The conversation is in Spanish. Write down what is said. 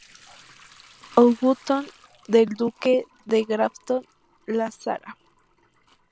Houghton del duque de Grafton, la Sra.